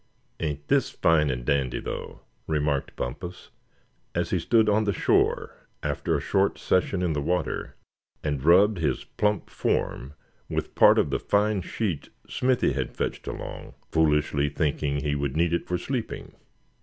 "Ain't this fine and dandy, though?" remarked Bumpus, as he stood on the shore, after a short session in the water, and rubbed his plump form with part of the fine sheet Smithy had fetched along, foolishly thinking he would need it for sleeping.